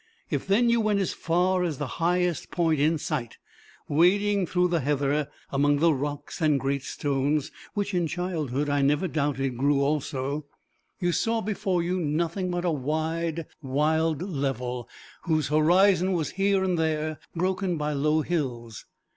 If then you went as far as the highest point in sight, wading through the heather, among the rocks and great stones which in childhood I never doubted grew also, you saw before you nothing but a wide, wild level, whose horizon was here and there broken by low hills.